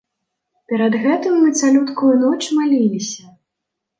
Перад гэтым мы цалюткую ноч маліліся.